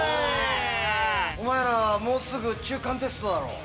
お前らもうすぐ中間テストだろ。